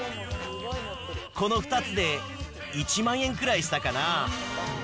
この２つで１万円くらいしたかな。